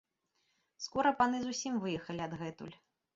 Скора паны зусім выехалі адгэтуль.